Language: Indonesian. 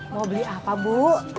mau beli apa bu